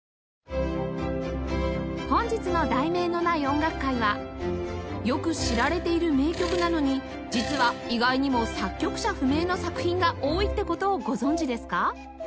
本日の『題名のない音楽会』はよく知られている名曲なのに実は意外にも作曲者不明の作品が多いって事をご存じですか？